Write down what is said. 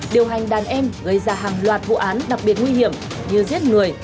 điều hành đàn em gây ra hàng loạt vụ án đặc biệt nguy hiểm như giết người